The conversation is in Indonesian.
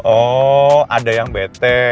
oh ada yang bete